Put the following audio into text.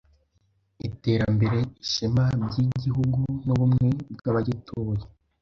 iterambere, ishema by’Igihugu n’ubumwe bw’abagituye;